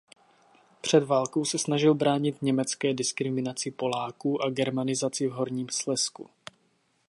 Před válkou se snažil bránit německé diskriminaci Poláků a germanizaci v Horním Slezsku.